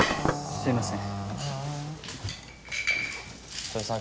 すみません。